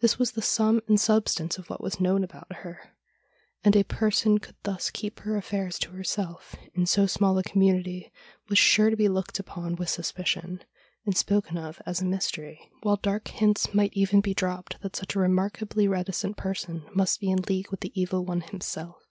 This was the sum and substance of what was known about her ; and a person who could thus keep her affairs to herself in so small a community was sure to be looked upon with suspicion, and spoken of as a mystery, while dark hints might even be dropped that such a remarkably reticent person must be in league with the Evil One himself.